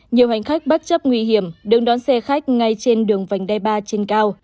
nhiều hành khách bắt chấp nguy hiểm đứng đón xe khách ngay trên đường vành đê ba trên cao